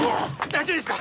大丈夫か？